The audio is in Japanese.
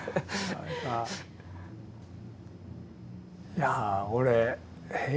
いや俺え？